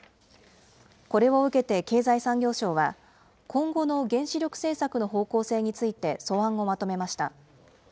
これを受けて経済産業省は、今後の原子力政策の方向性について素案をまとめました。